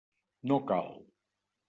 No cal.